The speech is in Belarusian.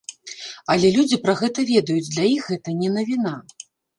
Але людзі пра гэта ведаюць, для іх гэта не навіна.